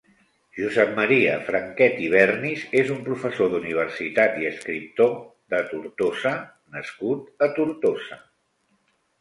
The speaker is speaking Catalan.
Josep Maria Franquet i Bernis és un professor d'universitat i escriptor de Tortosa nascut a Tortosa.